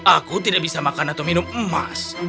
aku tidak bisa makan atau minum emas